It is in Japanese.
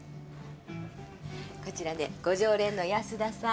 こちらねご常連の安田さん。